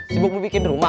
sibuk mau bikin rumah